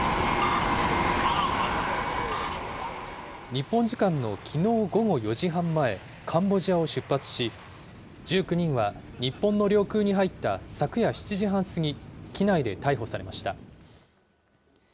日本時間のきのう午後４時半前、カンボジアを出発し、１９人は日本の領空に入った昨夜７時半過ぎ、機内で逮捕されました。